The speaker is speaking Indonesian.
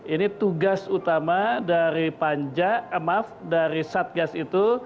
ini tugas utama dari satgas itu